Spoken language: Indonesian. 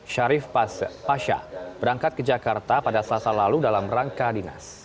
syarif pasha berangkat ke jakarta pada selasa lalu dalam rangka dinas